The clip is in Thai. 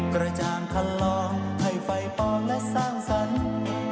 กระจ่างคันลองให้ไฟปลอมและสร้างสรรค์